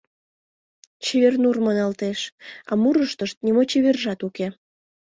«Чевер-нур» маналтеш, а мурыштышт нимо чевержат уке.